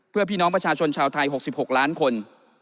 เพื่อพี่น้องประชาชนชาวไทย๖๖ล้านคน